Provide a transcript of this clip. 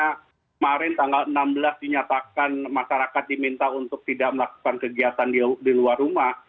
kemarin tanggal enam belas dinyatakan masyarakat diminta untuk tidak melakukan kegiatan di luar rumah